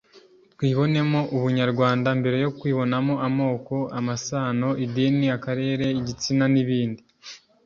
twibonemo ubunyarwanda mbere yo kwibonamo amoko amasano idini akarere igitsina n’ibindi